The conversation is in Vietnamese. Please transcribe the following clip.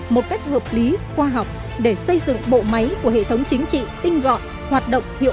một cách hợp lý khoa học để xây dựng bộ máy của hệ thống chính trị tinh gọn hoạt động hiệu quả